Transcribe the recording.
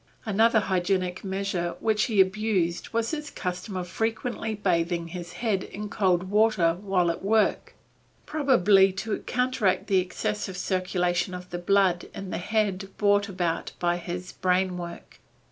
Another hygienic measure which he abused was his custom of frequently bathing his head in cold water while at work, probably to counteract the excessive circulation of the blood in the head brought about by his brain work.